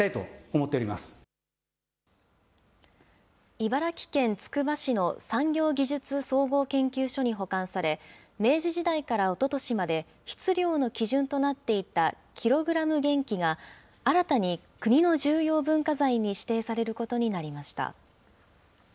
茨城県つくば市の産業技術総合研究所に保管され、明治時代からおととしまで、質量の基準となっていたキログラム原器が、新たに国の重要文化財に指定されることになりました。